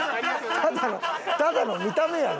ただのただの見た目やろ。